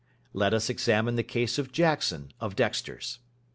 Let us examine the case of Jackson, of Dexter's.